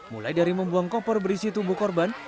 mulai dari membuang koper berisi tubuh korban